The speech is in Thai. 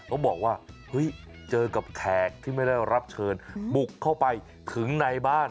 เขาบอกว่าเฮ้ยเจอกับแขกที่ไม่ได้รับเชิญบุกเข้าไปถึงในบ้าน